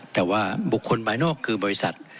แต่ว่าบุคคลภายนอกคือบริษัท